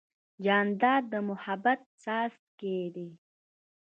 جانداد د محبت څاڅکی دی.